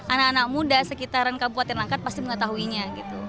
anak anak muda sekitaran kabupaten langkat pasti mengetahuinya